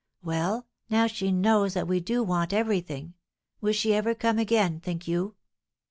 Well, now she knows that we do want everything, will she ever come again, think you?"